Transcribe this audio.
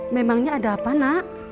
memangnya ada apa nak